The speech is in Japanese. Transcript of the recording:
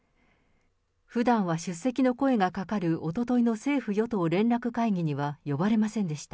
ふだんは出席の声がかかるおとといの政府与党連絡会議には呼ばれませんでした。